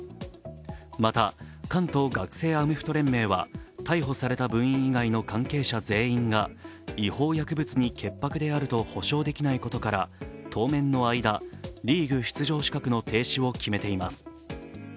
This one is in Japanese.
また、関東学生アメフト連盟は逮捕された部員以外の関係者全員が違法薬物に潔白であると保証できないことから当面の間、リーグ出場資格の停止を決めています。